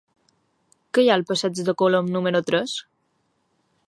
Què hi ha al passeig de Colom número tres?